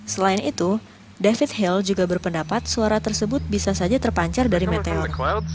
selain itu david hill juga berpendapat suara tersebut bisa saja terpancar dari meteor